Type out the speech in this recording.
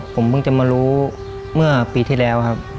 ผมเพิ่งจะมารู้เมื่อปีที่แล้วครับ